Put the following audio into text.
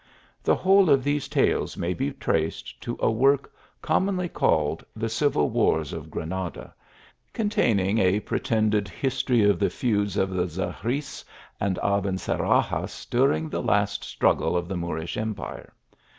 The whole of these tales may be traced to a work commonly called "The Civil Wars ot Granada," containing a pretended history of th e feuds of the Zegries and Abencerrages during the last struggle of the Moorish empire.